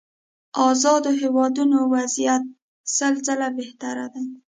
ازادو هېوادونو وضعيت سل ځله بهتره دي.